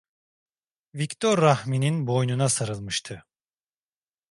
Viktor Rahmi’nin boynuna sarılmıştı…